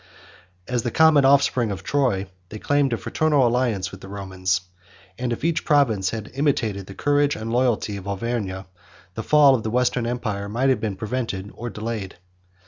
100 As the common offspring of Troy, they claimed a fraternal alliance with the Romans; 101 and if each province had imitated the courage and loyalty of Auvergne, the fall of the Western empire might have been prevented or delayed.